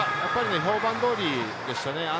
評判通りでしたね。